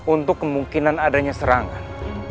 untuk kemungkinan adanya serangan